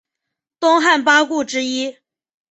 东汉八顾之一。